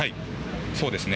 そうですね。